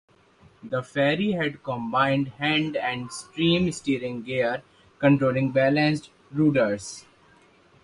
The ferry had combined hand and steam steering gear controlling balanced rudders.